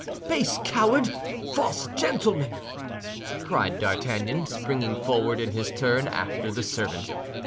"Base coward! false gentleman!" cried D'Artagnan, springing forward, in his turn, after the servant.